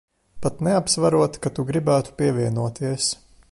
Pat neapsverot, ka tu gribētu pievienoties.